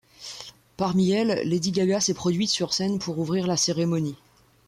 Parmi elles, Lady Gaga s'est produite sur scène pour ouvrir la cérémonie.